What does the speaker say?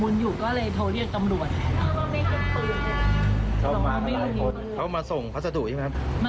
อันนี้เราก็กลัวแล้วก็ให้ตำรวจไปแล้ว